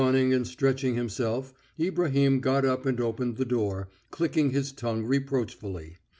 Yawning and stretching himself, Ibrahim got up and opened the door, clicking his tongue reproachfully.